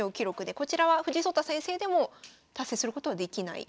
こちらは藤井聡太先生でも達成することはできない記録になっております。